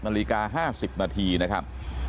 นาฬิกา๕๐นาทีนะครับ